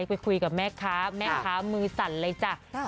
ไปคุยกับแม่คร้าคได้มือสั่นล่ะแอ